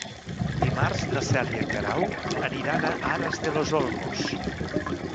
Dimarts na Cel i en Guerau aniran a Aras de los Olmos.